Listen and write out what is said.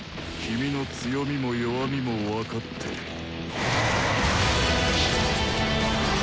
君の強みも「弱み」も分かってる。